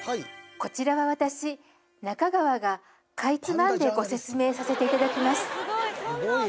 こちらは私中川がかいつまんでご説明させていただきます